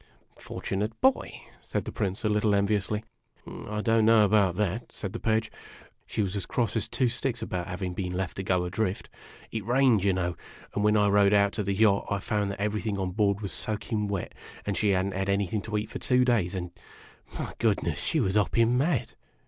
" Fortunate boy !" said the Prince, a little enviously. " I don't know about that," said the Pagfe. " She was as cross O as two sticks about having been left to go adrift. It rained, you know ; and when I rowed out to the yacht, I found that everything on board was soaking wet, and she had n't had anything to eat for two days, and my goodness! she was hopping mad!"